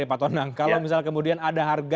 pak tonang kalau misalnya kemudian ada harga